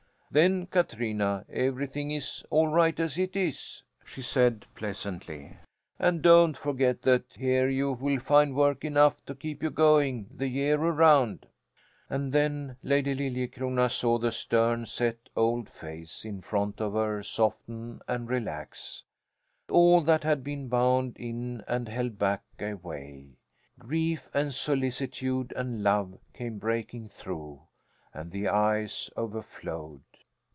"Then, Katrina, everything is all right as it is," she said pleasantly. "And don't forget that here you will find work enough to keep you going the year around." And then Lady Liljecrona saw the stern, set old face in front of her soften and relax: all that had been bound in and held back gave way grief and solicitude and love came breaking through, and the eyes overflowed.